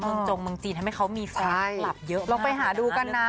เมืองจงเมืองจีนทำให้เขามีแฟนคลับเยอะลองไปหาดูกันนะ